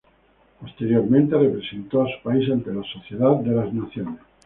Posteriormente representó a su país ante la Sociedad de las Naciones.